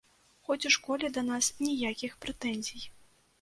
Хоць у школе да нас ніякіх прэтэнзій.